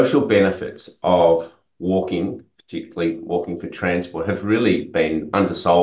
dia benar benar berusaha berjalan kaki